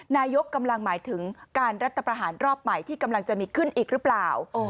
นายกกำลังหมายถึงการรัฐประหารรอบใหม่ที่กำลังจะมีขึ้นอีกหรือเปล่า